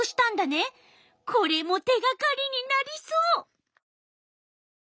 これも手がかりになりそう！